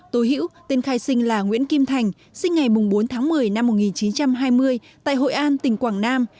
tố hữu tên khai sinh là nguyễn kim thành sinh ngày bốn tháng một mươi năm một nghìn chín trăm hai mươi tại hội an tỉnh quảng nam